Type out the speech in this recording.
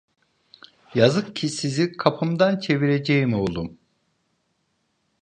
Yazık ki sizi kapımdan çevireceğim, oğlum!